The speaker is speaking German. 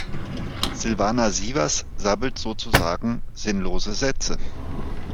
Silvana Sievers sabbelt sozusagen sinnlose Sätze.